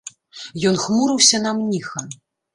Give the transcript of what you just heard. Ён хмурыўся на мніха.